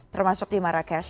termasuk di marrakesh